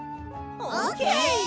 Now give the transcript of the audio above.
オッケー！